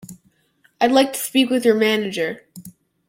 I'd like to speak with your manager.